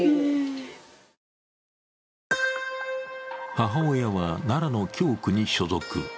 母親は、奈良の教区に所属。